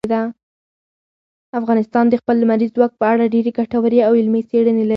افغانستان د خپل لمریز ځواک په اړه ډېرې ګټورې او علمي څېړنې لري.